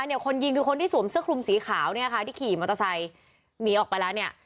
คนยิงคือคนที่สวมเสื้อคลุมสีขาวเนี่ยค่ะที่ขี่มอเตอร์ไซค์หนีออกไปแล้วเนี่ย